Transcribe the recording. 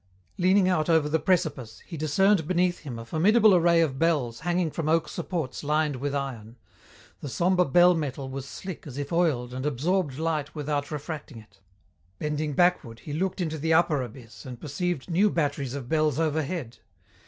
Leaning out over the precipice, he discerned beneath him a formidable array of bells hanging from oak supports lined with iron. The sombre bell metal was slick as if oiled and absorbed light without refracting it. Bending backward, he looked into the upper abyss and perceived new batteries of bells overhead.